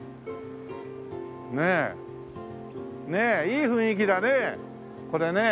ねえ。ねえいい雰囲気だねこれね。